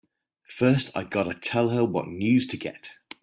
First I gotta tell her what news to get!